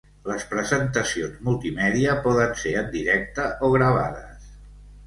Les presentacions multimèdia poden ser en directe o gravades.